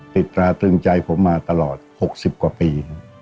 ตราตรึงใจผมมาตลอด๖๐กว่าปี